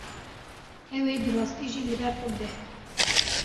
Ew ê bi rastî jî li ber xwe bide.